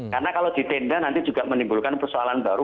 karena kalau di tenda nanti juga menimbulkan persoalan baru